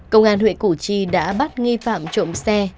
công an huyện củ chi đã bắt nghi phạm trộm xe